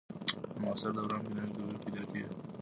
په معاصر دوران کي نوي قوې پیدا سوې.